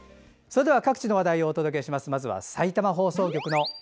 それでは各地の話題をお届けします。